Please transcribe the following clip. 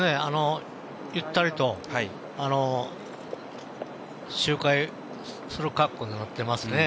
ゆったりと周回する格好になってますね。